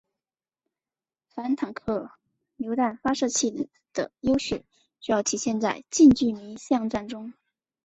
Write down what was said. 反坦克榴弹发射器的优势主要体现在近距离巷战中。